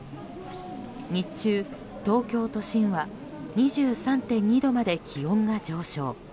日中、東京都心は２３．２度まで気温が上昇。